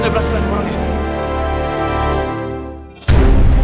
udah berhasil dibangunnya